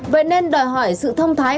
vậy nên đòi hỏi sự thông thái